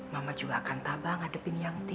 mama juga akan tabang hadapin yanti